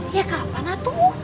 ya kapan atu